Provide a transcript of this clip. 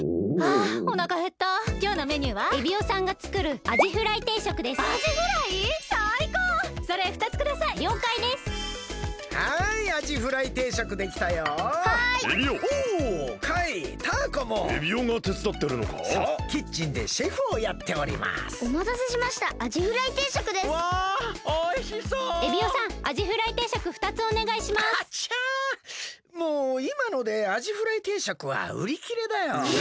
もういまのでアジフライ定食はうりきれだよ。え！？